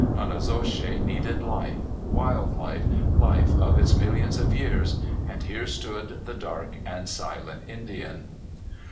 Nonnezoshe needed life, wild life, life of its millions of years and here stood the dark and silent Indian.